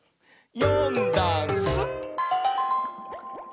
「よんだんす」